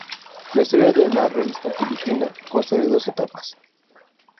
La historia de la Revista Filipina consta de dos etapas.